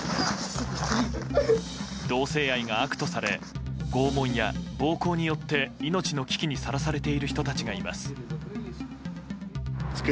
同性愛が悪とされ拷問や暴行によって命の危機にさらされている人たちがいます。